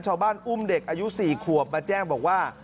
ชาวบ้านอุ้มเด็กอายุ๔ขวบมาแจ้งบอกว่า